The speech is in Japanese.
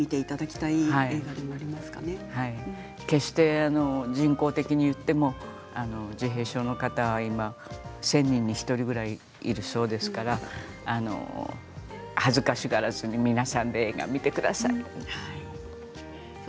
はい、決して人口的に言っても自閉症の方１０００人に１人ぐらいいるそうですから恥ずかしがらずに皆さんで映画を見てください。